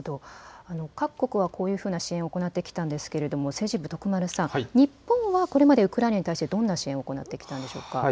各国はこういうふうな支援を行ってきたんですが、政治部徳丸さん、日本はこれまでウクライナに対してどんな支援を行ってきたんでしょうか。